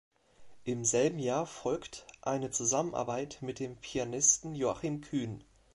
Im selben Jahr folgt eine Zusammenarbeit mit dem Pianisten Joachim Kühn.